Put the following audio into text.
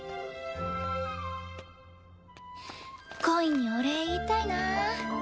こいにお礼言いたいなぁ。